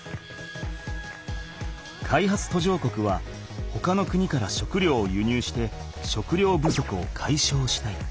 開発途上国はほかの国から食料を輸入して食料不足をかいしょうしたい。